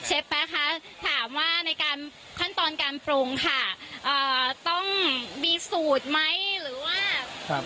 แป๊ะคะถามว่าในการขั้นตอนการปรุงค่ะเอ่อต้องมีสูตรไหมหรือว่าครับ